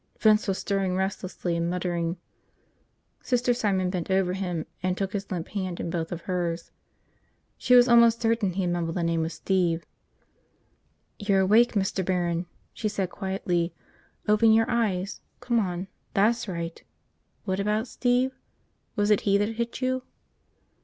Vince was stirring restlessly and muttering. Sister Simon bent over him and took his limp hand in both of hers. She was almost certain he had mumbled the name of Steve. "You're awake, Mr. Barron," she said quietly. "Open your eyes ... come on. .. that's right. What about Steve? Was it he that hit you?"